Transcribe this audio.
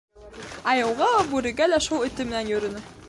Айыуға ла, бүрегә лә шул эте менән йөрөнө.